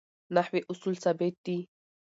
نحوي اصول ثابت دي.